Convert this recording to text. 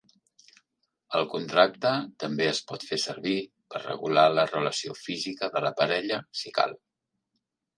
El contracte també es pot fer servir per regular la relació física de la parella, si cal.